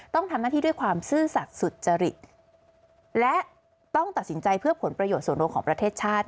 ต้องทำหน้าที่ด้วยความซื่อสัตว์สุจริตและต้องตัดสินใจเพื่อผลประโยชน์ส่วนรวมของประเทศชาติ